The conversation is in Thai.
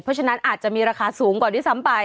เพราะฉะนั้นอาจจะมีราคาสูงกว่าด้วยซ้ำไป